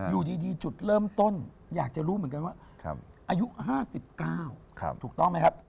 อยากจะรู้เหมือนกันว่าค่ะอายุ๕๙ค่ะถูกต้องไหมครับ